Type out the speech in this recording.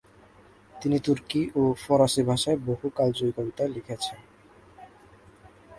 তিনি তুর্কি ও ফারসি ভাষায় বহু কালজয়ী কবিতা লিখেছেন।